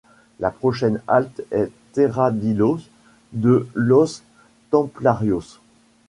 La prochaine halte est Terradillos de los Templarios.